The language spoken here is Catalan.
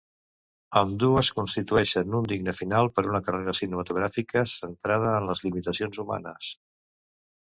Ambdues constitueixen un digne final per una carrera cinematogràfica centrada en les limitacions humanes.